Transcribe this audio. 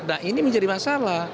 nah ini menjadi masalah